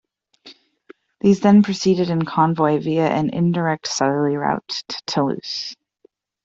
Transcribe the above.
These then proceed in convoy via an indirect southerly route to Toulouse.